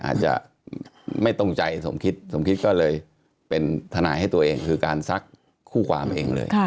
อาจจะไม่ตรงใจสมคิดสมคิดก็เลยเป็นทนายให้ตัวเองคือการซักคู่ความเองเลย